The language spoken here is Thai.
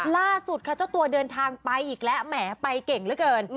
ล่าสุดค่ะเจ้าตัวเดินทางไปอีกแล้วแหมไปเก่งเหลือเกิน